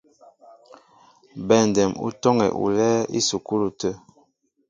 Bɛndɛm ú tɔ́ŋɛ olɛ́ɛ́ ísukúlu tə̂.